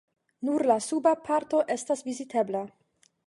Nur la suba parto estas vizitebla.